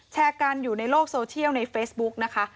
แชร์กันอยู่ในโลกโซเชียลในเฟซบุ๊กนะคะ